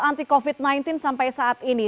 anti covid sembilan belas sampai saat ini